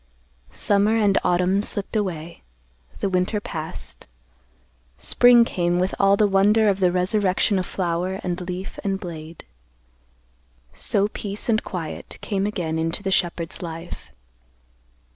Summer and autumn slipped away; the winter passed; spring came, with all the wonder of the resurrection of flower and leaf and blade. So peace and quiet came again into the shepherd's life.